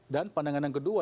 dan pandangan yang kedua